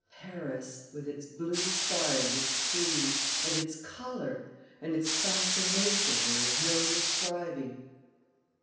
Paris, with its blue sky and its trees, and its color and its fascination there is no describing!